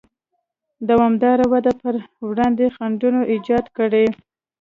دوامداره ودې پر وړاندې خنډونه ایجاد کړي.